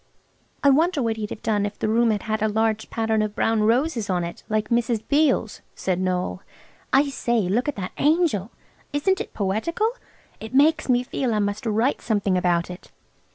"I wonder what he'd have done if the room had had a large pattern of brown roses on it, like Mrs. Beale's," said Noël. "I say, look at that angel! Isn't it poetical? It makes me feel I must write something about it."